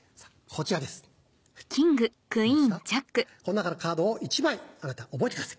この中のカードを１枚覚えてください。